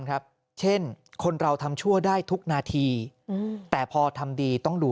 ครับเช่นคนเราทำชั่วได้ทุกนาทีแต่พอทำดีต้องดู